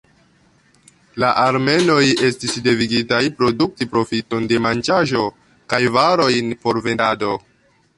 La armenoj estis devigitaj produkti profiton de manĝaĵo kaj varojn por vendado.